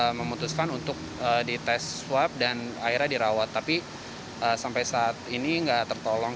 saya memutuskan untuk dites swab dan airnya dirawat tapi sampai saat ini enggak tertolong